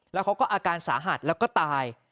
แล้วเขาก็อาการสาหัสแล้วก็ตาย